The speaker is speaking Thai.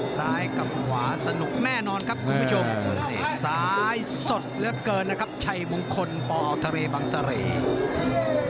ซ้ายกับขวาสนุกแน่นอนครับคุณผู้ชมนี่ซ้ายสดเหลือเกินนะครับชัยมงคลปอทะเลบังเสร่